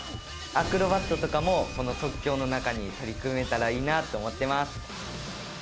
アクロバットとかも即興の中に取り組めたらいいなと思ってます。